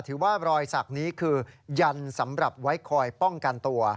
ว่ารอยสักนี้คือยันสำหรับไว้คอยป้องกันตัว